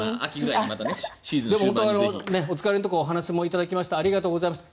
お疲れのところお話しいただきましてありがとうございました。